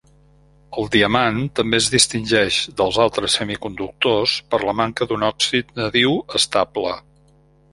El diamant també es distingeix dels altres semiconductors per la manca d'un òxid nadiu estable.